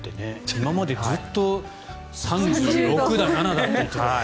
今までずっと３６だ、３７だと言っていたのが。